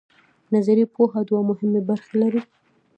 نظري پوهه دوه مهمې برخې لري.